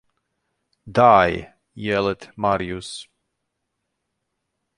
Die! yelled Marius.